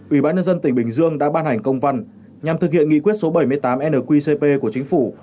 ủy ban nhân dân tỉnh bình dương đã ban hành công văn nhằm thực hiện nghị quyết số bảy mươi tám nqcp của chính phủ